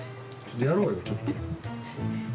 やろうよ、ちょっと。